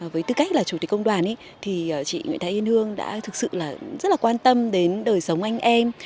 với tư cách là chủ tịch công đoàn thì chị nguyễn thái yên hương đã thực sự là rất là quan tâm đến đời sống anh em